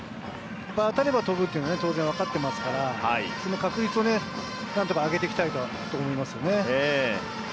当たれば飛ぶっていうのは当然分かってますから、その確率を何とか上げていきたいなと思いますね。